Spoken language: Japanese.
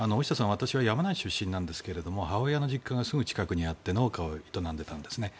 私は山梨出身なんですが母親の実家がすぐ近くにあって農家を営んでいたんですね。